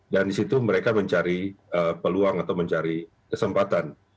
dan di situ mereka mencari peluang atau mencari kesempatan